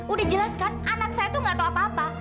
udah jelaskan anak saya tuh gak tau apa apa